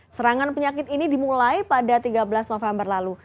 serangan penyakit ini dimulai pada tiga belas november lalu